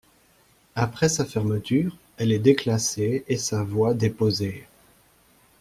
Après sa fermeture, elle est déclassée et sa voie déposée.